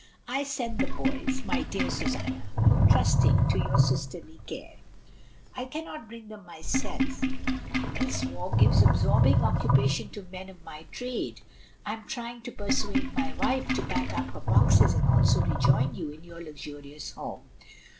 "I send the boys, my dear Susanna, trusting to your sisterly care. I cannot bring them myself. This 148 MRS. DYMOND. war gives absorbing occupation to men of my trade. I am trying to persuade my wife to pack up her boxes and also rejoin you in your luxurious home.